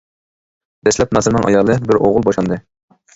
دەسلەپ ناسىرنىڭ ئايالى بىر ئوغۇل بوشاندى.